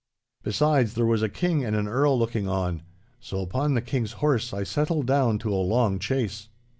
Besides, there was a King and an Earl looking on; so upon the King's horse I settled down to a long chase.